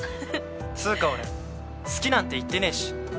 つうか俺好きなんて言ってねえし。